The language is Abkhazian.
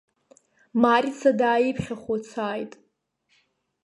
Марица дааиԥхьхәыцааит.